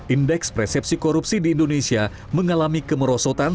indeks persepsi korupsi di indonesia mengalami kemerosotan